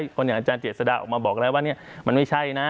คนอย่างอาจารย์เจษฎาออกมาบอกแล้วว่ามันไม่ใช่นะ